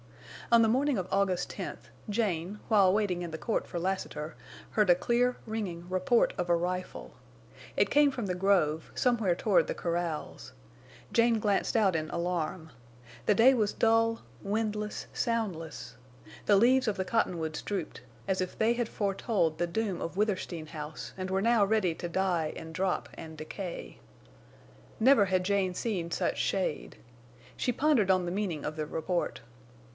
On the morning of August 10th, Jane, while waiting in the court for Lassiter, heard a clear, ringing report of a rifle. It came from the grove, somewhere toward the corrals. Jane glanced out in alarm. The day was dull, windless, soundless. The leaves of the cottonwoods drooped, as if they had foretold the doom of Withersteen House and were now ready to die and drop and decay. Never had Jane seen such shade. She pondered on the meaning of the report.